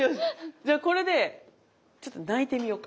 じゃあこれでちょっと泣いてみようか。